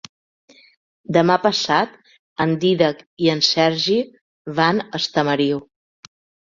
Demà passat en Dídac i en Sergi van a Estamariu.